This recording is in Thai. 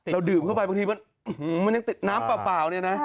ดื่มเข้าไปบางทีมันยังติดน้ำเปล่าเนี่ยนะ